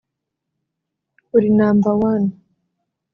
Uri number one’